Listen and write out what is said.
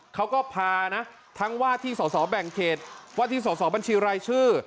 เขาก็พานะทั้งว่าที่สอสอแบ่งเขตว่าที่สอสอบัญชีรายชื่อ